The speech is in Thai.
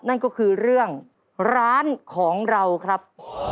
นั่นก็คือเรื่องร้านของเราครับ